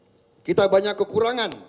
tidak ada manusia yang tanpa kekurangan